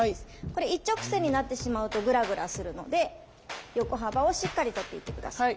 これ一直線になってしまうとグラグラするので横幅をしっかり取っていって下さい。